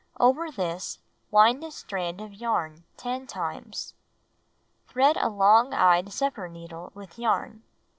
2. Over this, wind a strand of yarn 10 times. 3. Thread a long eyed zephyr needle with yarn.